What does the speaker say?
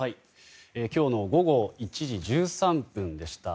今日の午後１時１３分でした。